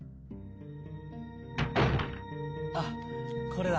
あっこれだ。